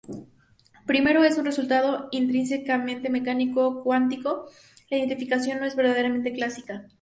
Primero, es un resultado intrínsecamente mecánico-cuántico: la identificación no es verdaderamente clásica.